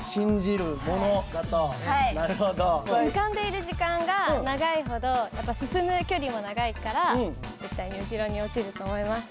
浮かんでいる時間が長いほどやっぱり進む距離も長いから絶対に後ろに落ちると思います。